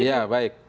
kalau kami gak ada